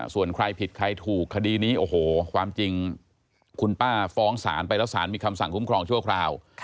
ส่วนใครผิดใครถูกคดีนี้โอ้โหความจริงคุณป้าฟ้องศาลไปแล้วสารมีคำสั่งคุ้มครองชั่วคราว